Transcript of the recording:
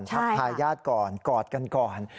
ทำพัยยาตก่อนกอดกันก่อน